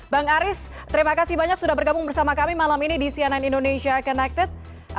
bang aris terima kasih banyak sudah bergabung bersama kami malam ini di cnn indonesia connected